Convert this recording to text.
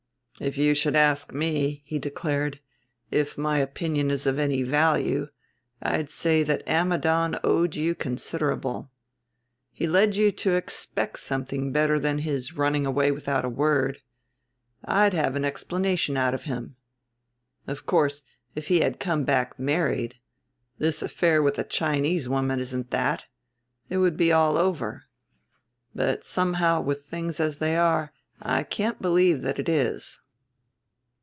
"If you should ask me," he declared, "if my opinion is of any value, I'd say that Ammidon owed you considerable. He led you to expect something better than his running away without a word; I'd have an explanation out of him. Of course, if he had come back married this affair with a Chinese woman isn't that it would be all over. But, somehow, with things as they are, I can't believe that it is."